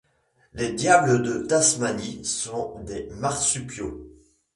Les diables de Tasmanie sont des marsupiaux